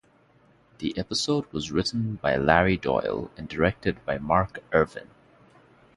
The episode was written by Larry Doyle and directed by Mark Ervin.